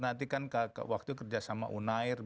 nanti kan waktu kerja sama unair